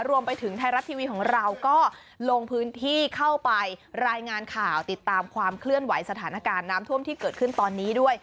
รวมไปถึงไทยรัฐทีวีของเราก็ลงพื้นที่เข้าไปรายงานข่าวติดตามความเคลื่อนไหวสถานการณ์น้ำท่วมที่เกิดขึ้นตอนนี้ด้วย